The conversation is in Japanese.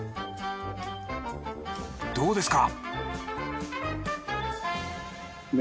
どうですか？